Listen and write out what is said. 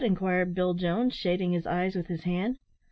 inquired Bill Jones, shading his eyes with his hand.